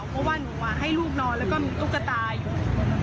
เพราะว่าหนูให้ลูกนอนแล้วก็มีตุ๊กตาอยู่